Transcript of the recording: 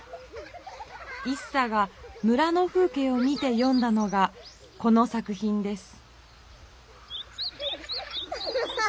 一茶が村の風けいを見てよんだのがこの作ひんです。